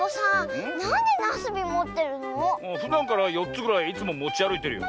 ふだんから４つぐらいいつももちあるいてるよ。